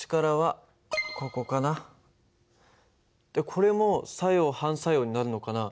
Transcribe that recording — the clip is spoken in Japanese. これも作用・反作用になるのかな。